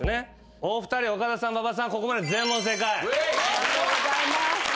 ありがとうございます。